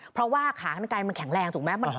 เพราะว่าขาข้างในมันแข็งแรงถูกไหม